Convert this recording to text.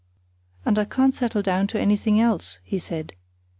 "And I can't settle down to anything else," he said.